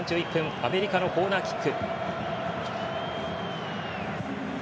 アメリカのコーナーキック。